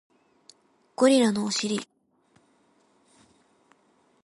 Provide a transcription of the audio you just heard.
ゴリラのお尻